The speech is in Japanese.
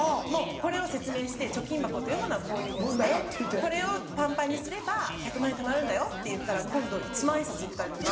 これを説明して貯金箱というものはこういうものでこれをぱんぱんにすれば１００万円たまるんだよって言ったら今度１万円札入れたりとか。